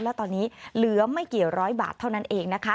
แล้วตอนนี้เหลือไม่กี่ร้อยบาทเท่านั้นเองนะคะ